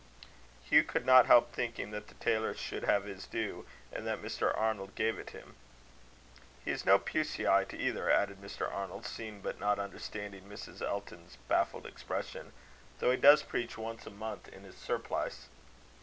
Hugh could not help thinking that the tailor should have his due, and that Mr. Arnold gave it him. "He is no Puseyite either," added Mr. Arnold, seeing but not understanding Mrs. Elton's baffled expression, "though he does preach once a month in his surplice."